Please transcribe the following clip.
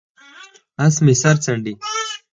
اس مې سر څنډي،